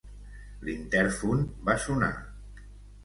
L'intèrfon va sonar.